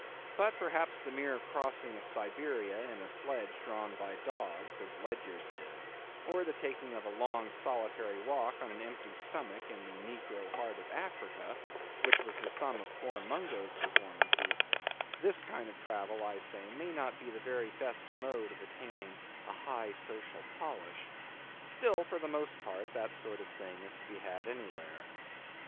But perhaps the mere crossing of Siberia in a sledge drawn by dogs as Ledyard did, or the taking a long solitary walk on an empty stomach, in the negro heart of Africa, which was the sum of poor Mungo's performances—this kind of travel, I say, may not be the very best mode of attaining a high social polish. Still, for the most part, that sort of thing is to be had anywhere.